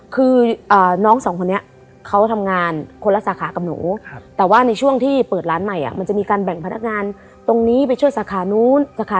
คือน้องสองคนนี้เขาทำงานคนละสาขากับหนู